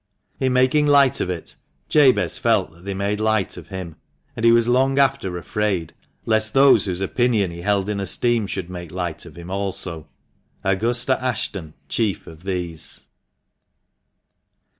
In making light of it, Jabez felt they made light of him, and he was long after afraid lest those whose opinion he held in esteem should make light of him also — Augusta Ashton chief of these.